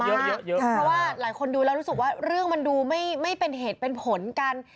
เพราะว่าหลายคนดูแล้วรู้สึกว่าเรื่องมันดูไม่เป็นเหตุเป็นผลกัน